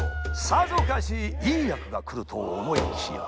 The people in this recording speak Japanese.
さぞかしいい役がくると思いきや。